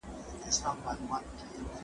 کیکونه د جشنونو پر مهال ډېر خوړل کېږي.